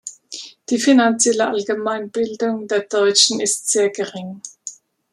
Die finanzielle Allgemeinbildung der Deutschen ist sehr gering.